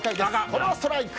これはストライク。